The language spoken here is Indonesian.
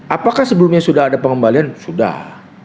apakah sebelumnya sudah ada pengembalian sudah